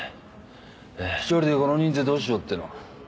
一人でこの人数どうしようっての。